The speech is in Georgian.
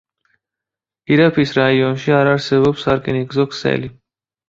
ირაფის რაიონში არ არსებობს სარკინიგზო ქსელი.